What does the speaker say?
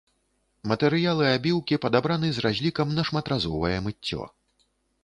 Матэрыялы абіўкі падабраны з разлікам на шматразовае мыццё.